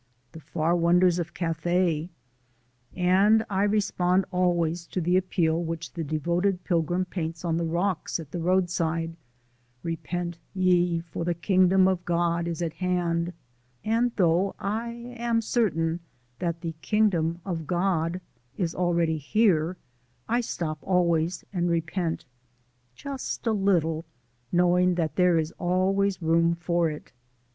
the far wonders of Cathay. And I respond always to the appeal which the devoted pilgrim paints on the rocks at the roadside: "Repent ye, for the kingdom of God is at hand," and though I am certain that the kingdom of God is already here, I stop always and repent just a little knowing that there is always room for it.